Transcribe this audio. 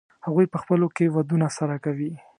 هغوی په خپلو کې ودونه سره کوي.